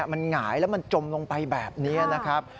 มันหงายแล้วมันจมลงไปแบบนี้นะครับ